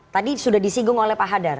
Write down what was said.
tadi sudah disinggung oleh pak hadar